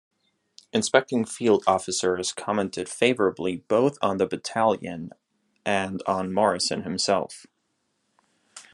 Inspecting field officers commented favourably both on the battalion and on Morrison himself.